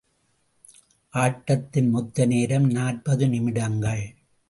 ஆட்டத்தின் மொத்த நேரம் நாற்பது நிமிடங்கள்.